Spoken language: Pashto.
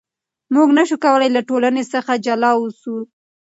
موږ نشو کولای له ټولنې څخه جلا اوسو.